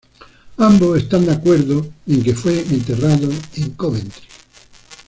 Ambos están de acuerdo en que fue enterrado en Coventry.